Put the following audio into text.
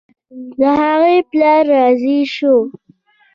د هغې پلار راضي شو.